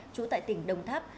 trú tại tỉnh đồng tháp